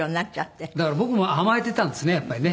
だから僕も甘えてたんですねやっぱりね。